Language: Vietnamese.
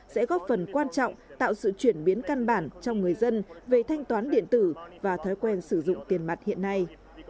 sẽ góp phần quan trọng tạo sự chuyển biến căn bản trong người dân về thanh toán điện tử và thói quen sử dụng tiền mặt hiện nay